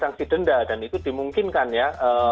sanksi denda dan itu dimungkinkan ya